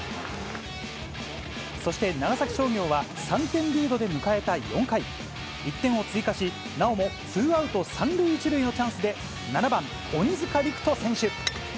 そして長崎商業は３点リードで迎えた４回、１点を追加し、なおもツーアウト３塁１塁のチャンスで７番鬼塚陸人選手。